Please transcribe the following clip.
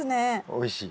おいしい？